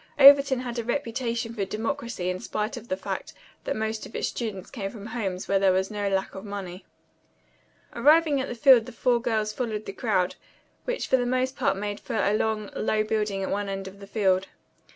Overton had a reputation for democracy in spite of the fact that most of its students came from homes where there was no lack of money. Arriving at the field the four girls followed the crowd, which for the most part made for a long, low building at one end of the field.